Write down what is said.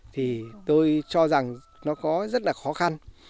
thì tôi cho rằng nó có rất là khó khăn